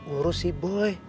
urus sih boy